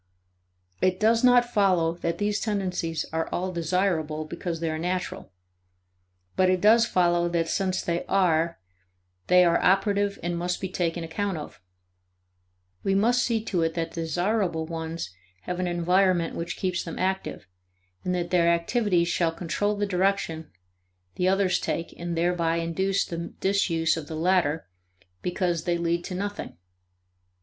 It does not follow that these tendencies are all desirable because they are natural; but it does follow that since they are there, they are operative and must be taken account of. We must see to it that the desirable ones have an environment which keeps them active, and that their activity shall control the direction the others take and thereby induce the disuse of the latter because they lead to nothing.